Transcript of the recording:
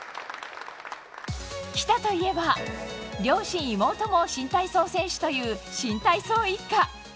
喜田といえば両親、妹も新体操選手という新体操一家。